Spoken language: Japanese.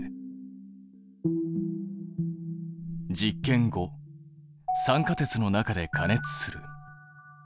実験５酸化鉄の中で加熱する。